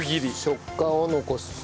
食感を残す。